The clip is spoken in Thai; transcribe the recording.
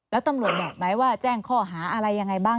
แล้วตำรวจบอกไหมว่าแจ้งข้อหาอะไรยังไงบ้าง